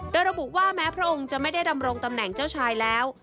โดยระบุว่าแม้พระองค์จะไม่ได้ดำรงตำแหน่งเจ้าชายแล้ว